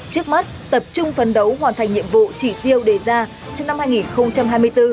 trước mắt tập trung phấn đấu hoàn thành nhiệm vụ chỉ tiêu đề ra trong năm hai nghìn hai mươi bốn